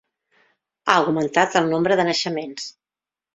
Ha augmentat el nombre de naixements.